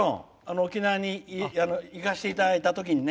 沖縄に行かせていただいたときにね。